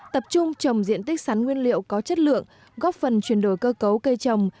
tập trung trồng diện tích sắn nguyên liệu có chất lượng góp phần chuyển đổi cơ cấu cây trồng